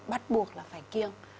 bắt buộc là phải kiêng